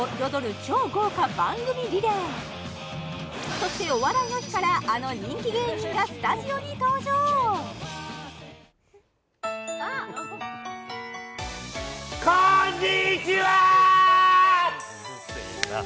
そして「お笑いの日」からあの人気芸人がスタジオに登場こんにちはーうるせえな！